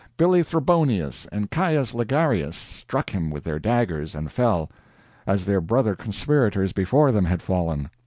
Billy Trebonius and Caius Legarius struck him with their daggers and fell, as their brother conspirators before them had fallen.